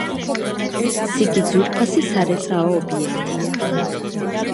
სიგი ძვირფასი სარეწაო ობიექტია.